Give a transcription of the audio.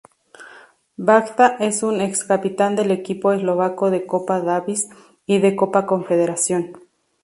Vajda es un ex-capitán del equipo eslovaco de Copa Davis y de Copa Confederación.